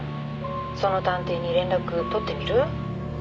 その探偵に連絡取ってみる？」